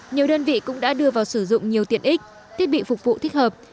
nhiều đơn vị cũng đã đưa vào sử dụng nhiều tiện ích thiết bị phục vụ thích hợp